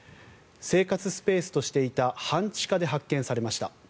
生活スペースとしていた半地下で発見されました。